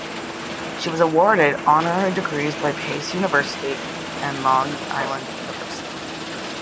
She was awarded honorary degrees by Pace University and Long Island University.